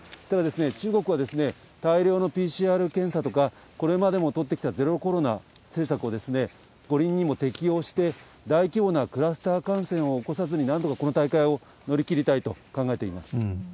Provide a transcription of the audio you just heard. ただ、中国は大量のＰＣＲ検査とか、これまでも取ってきたゼロコロナ政策を五輪にも適用して、大規模なクラスター感染を起こさずに、なんとかこの大会を乗り切りたいと考えています。